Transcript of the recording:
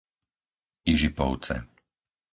Ižipovce